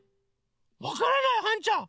わからないはんちゃん！